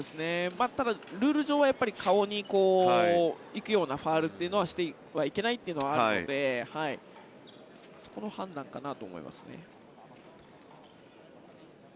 ただ、ルール上は顔に行くようなファウルというのはしてはいけないというのはあるのでそこの判断かなと思いますね。